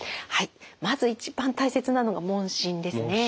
まず一番大切なのが問診ですね。